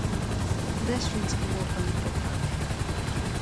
Pedestrians can walk on the footpath.